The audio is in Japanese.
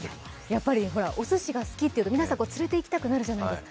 やっぱり、おすしが好きって言うと皆さん連れて行きたくなるじゃないですか。